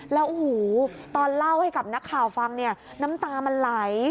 แล้วตอนเล่าให้กับนักข่าวฟังน้ำตามันไหล